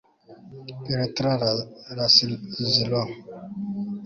Petra Laszlo